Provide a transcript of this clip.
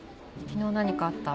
昨日何かあった？